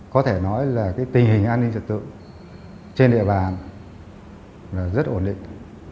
có thể nói là tình hình an ninh trật tự trên địa bàn rất ổn định